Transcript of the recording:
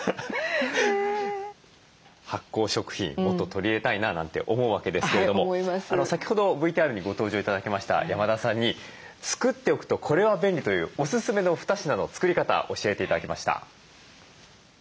発酵食品もっと取り入れたいななんて思うわけですけれども先ほどＶＴＲにご登場頂きました山田さんに作っておくとこれは便利というおすすめの二品の作り方教えて頂きました。